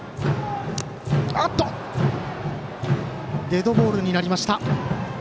デッドボールになりました。